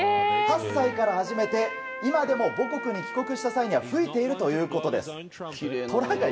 ８歳から始めて今でも母国に帰国した際には吹いているということです。